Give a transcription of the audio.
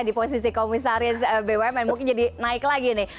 di posisi komisaris bumn mungkin jadi naik lagi nih